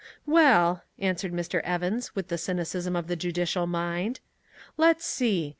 "Well," answered Mr. Evans with the cynicism of the judicial mind, "let's see.